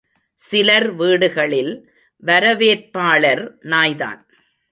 சிலர் வீடுகளில் வரவேற்பாளர் நாய்தான்.